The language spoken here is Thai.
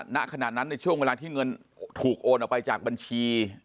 ณขณะนั้นในช่วงเวลาที่เงินถูกโอนออกไปจากบัญชี